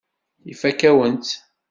Ifakk-awen-tt.